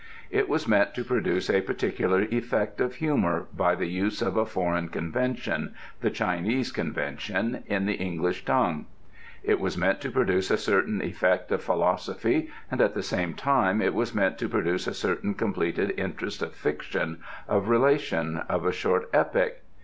It was meant to produce a particular effect of humour by the use of a foreign convention, the Chinese convention, in the English tongue. It was meant to produce a certain effect of philosophy and at the same time it was meant to produce a certain completed interest of fiction, of relation, of a short epic.